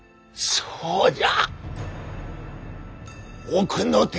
ほうじゃ。